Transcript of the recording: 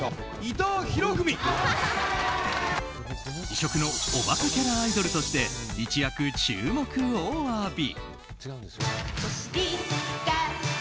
異色のおバカキャラアイドルとして一躍注目を浴び。